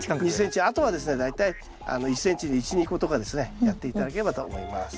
あとはですね大体１ｃｍに１２個とかですねやって頂ければと思います。